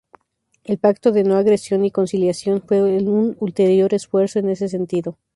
El "Pacto de No Agresión y Conciliación" fue un ulterior esfuerzo en ese sentido.